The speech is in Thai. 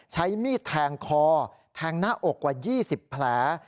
ใช้มีดแทงคอแทงหน้าอกกว่า๒๐แผล